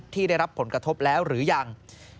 ได้รับผลกระทบแล้วหรือยัง